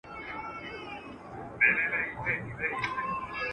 دا کیسه خورا له مینې او ګدازه ډکه وه.